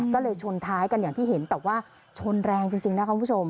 ก็เลยชนท้ายกันอย่างที่เห็นแต่ว่าชนแรงจริงนะคะคุณผู้ชม